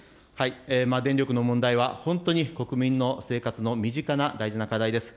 電力の問題は本当に国民の生活の身近な大事な課題です。